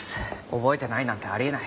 覚えてないなんてあり得ない。